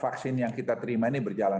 vaksin yang kita terima ini berjalan